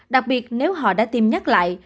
đặc biệt nếu họ đã tiêm nhắc lại